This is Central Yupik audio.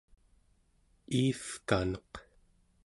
iivkaneq